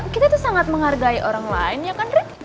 kita tuh sangat menghargai orang lain ya kan